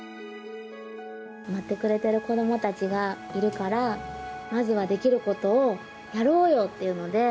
待ってくれている子供たちがいるからまずはできることをやろうよというので。